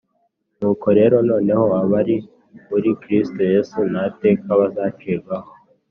Nuko rero noneho abari muri Kristo Yesu nta teka bazacirwaho